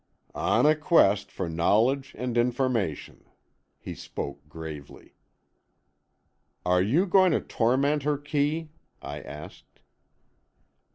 "On a quest for knowledge and information." He spoke gravely. "Are you going to torment her, Kee?" I asked.